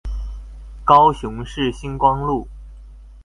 高雄市新光路